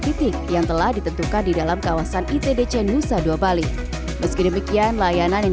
titik yang telah ditentukan di dalam kawasan itdc nusa dua bali meski demikian layanan yang